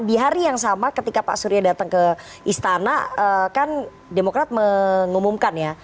di hari yang sama ketika pak surya datang ke istana kan demokrat mengumumkan ya